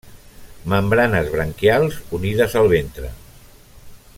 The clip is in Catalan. Membranes branquials unides al ventre.